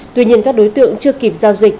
tuy nhiên các đối tượng chưa kịp giao dịch